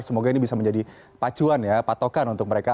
semoga ini bisa menjadi pacuan ya patokan untuk mereka